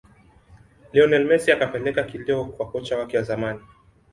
lionel messi akapeleka kilio kwa kocha wake wa zamani